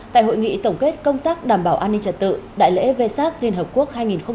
tại hội nghị tổng kết công tác đảm bảo an ninh trật tự đại lễ vê sác liên hợp quốc hai nghìn một mươi chín